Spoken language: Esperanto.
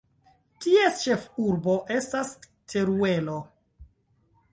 Ties ĉefurbo estas Teruelo.